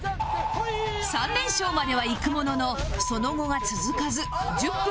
３連勝まではいくもののその後は続かず１０分が経過